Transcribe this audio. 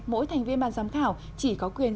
mỗi thành viên ban giám khảo chỉ có quyền